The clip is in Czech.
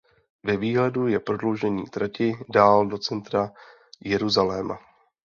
Ve výhledu je prodloužení trati dál do centra Jeruzaléma.